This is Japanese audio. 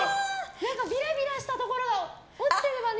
何か、ビラビラしたところが落ちてればね。